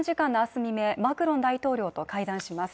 未明マクロン大統領と会談します